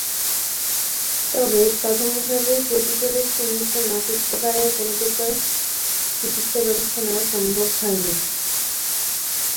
তবে প্রাথমিকভাবে প্রকৃত রোগ চিহ্নিত না করতে পারায় কোন প্রকার চিকিৎসা ব্যবস্থা নেওয়া সম্ভব হয়নি।